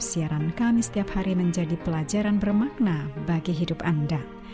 siaran kami setiap hari menjadi pelajaran bermakna bagi hidup anda